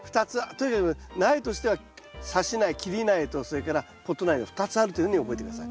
とにかく苗としてはさし苗切り苗とそれからポット苗の２つあるというふうに覚えて下さい。